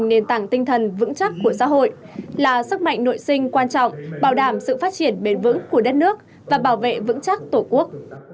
nền tảng tinh thần vững chắc của xã hội là sức mạnh nội sinh quan trọng bảo đảm sự phát triển bền vững của đất nước và bảo vệ vững chắc tổ quốc